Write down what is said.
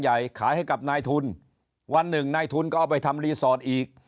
ขายให้กับนายทุนวันหนึ่งนายทุนก็เอาไปทำรีสอร์ทอีก